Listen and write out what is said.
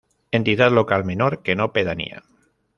Entidad Local Menor que no pedanía.